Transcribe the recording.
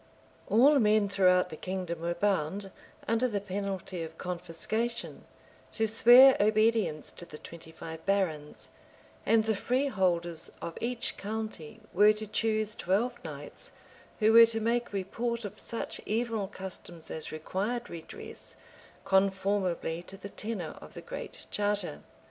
All men throughout the kingdom were bound, under the penalty of confiscation, to swear obedience to the twenty five barons; and the freeholders of each county were to choose twelve knights, who were to make report of such evil customs as required redress, conformably to the tenor of the Great Charter.